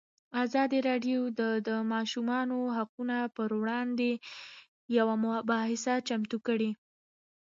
ازادي راډیو د د ماشومانو حقونه پر وړاندې یوه مباحثه چمتو کړې.